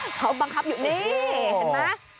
เออเขาบังคับอยู่นี่เห็นมั้ย